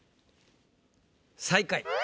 最下位。